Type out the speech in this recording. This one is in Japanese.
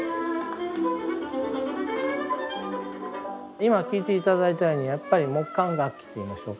今聴いて頂いたようにやっぱり木管楽器といいましょうか。